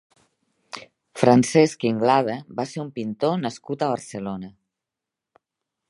Francesc Inglada va ser un pintor nascut a Barcelona.